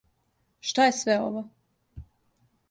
Шта је све ово?